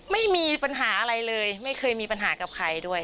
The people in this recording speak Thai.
ไม่มีปัญหาอะไรเลยไม่เคยมีปัญหากับใครด้วย